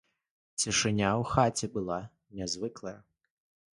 Цішыня ў хаце была нязвыклая.